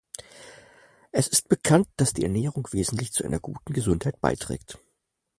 Es ist bekannt, dass die Ernährung wesentlich zu einer guten Gesundheit beiträgt.